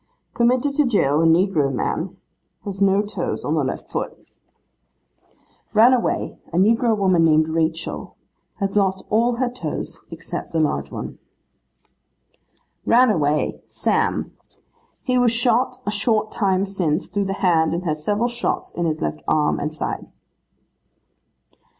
'Committed to jail, a negro man. Has no toes on the left foot.' 'Ran away, a negro woman named Rachel. Has lost all her toes except the large one.' 'Ran away, Sam. He was shot a short time since through the hand, and has several shots in his left arm and side.